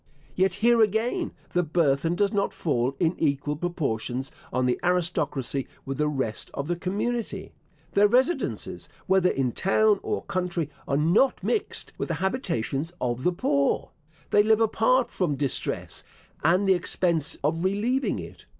Yet here again the burthen does not fall in equal proportions on the aristocracy with the rest of the community. Their residences, whether in town or country, are not mixed with the habitations of the poor. They live apart from distress, and the expense of relieving it.